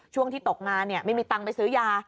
ช่วงที่ตกงานไม่มีตังค์ไปซื้อยา